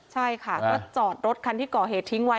ใช่ค่ะก็จอดรถคันที่ก่อเหตุทิ้งไว้